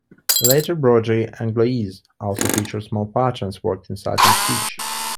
Later broderie anglaise also featured small patterns worked in satin stitch.